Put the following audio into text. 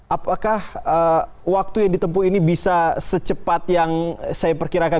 apakah waktu yang ditempuh ini bisa secepat yang saya perkirakan